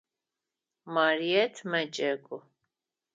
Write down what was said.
Марыет мэджэгу.